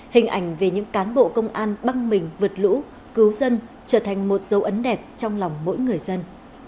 hình ảnh về những cán bộ công an băng mình vượt lũ cứu dân trở thành một dấu ấn đẹp trong lòng mỗi người dân